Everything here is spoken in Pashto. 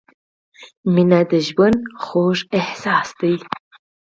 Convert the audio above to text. • مینه د ژوند خوږ احساس دی.